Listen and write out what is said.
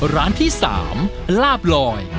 ร้านที่๓ลาบลอย